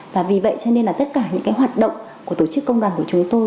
và vì vậy cho nên là tất cả những hoạt động của tổ chức công đoàn của chúng tôi